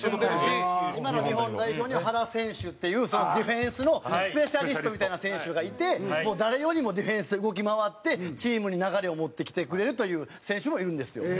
田村：今の日本代表には原選手っていうディフェンスのスペシャリストみたいな選手がいて誰よりもディフェンスで動き回ってチームに流れを持ってきてくれるという選手もいるんですよ。